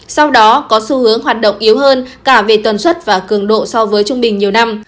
sau đó có xu hướng hoạt động yếu hơn cả về tuần xuất và cường độ so với trung bình nhiều năm